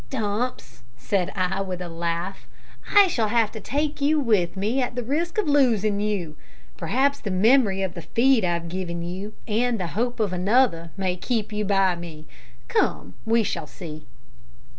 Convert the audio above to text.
"Dumps," said I, with a laugh, "I shall have to take you with me at the risk of losing you. Perhaps the memory of the feed I've given you, and the hope of another, may keep you by me. Come, we shall see."